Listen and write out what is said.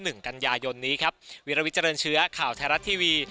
หนึ่งกันยายนนี้ครับวิรวิเจริญเชื้อข่าวไทยรัฐทีวี